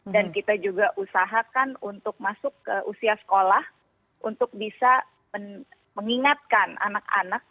dan kita juga usahakan untuk masuk ke usia sekolah untuk bisa mengingatkan anak anak